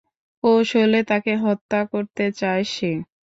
কৌশলে তাকে হত্যা করতে চায় সে।